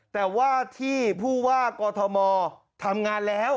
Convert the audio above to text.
แต่ว่าที่ผู้ว่ากอทมทำงานแล้ว